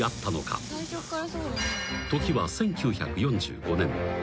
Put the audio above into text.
［時は１９４５年］